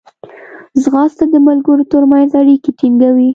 ځغاسته د ملګرو ترمنځ اړیکې ټینګوي